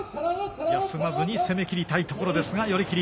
休まずに攻めきりたいところですが、寄り切り。